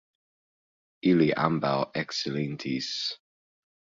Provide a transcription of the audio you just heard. Ili ambaŭ eksilentis.